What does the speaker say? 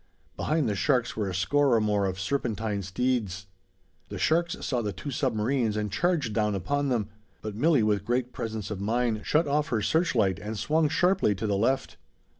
Behind the sharks were a score or more of serpentine steeds. The sharks saw the two submarines and charged down upon them; but Milli, with great presence of mind, shut off her searchlight and swung sharply to the left.